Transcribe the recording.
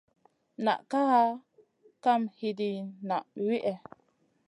Na kaʼa kam hidina nam wihè.